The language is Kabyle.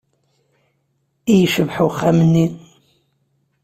I yecbeḥ uxxam-nni!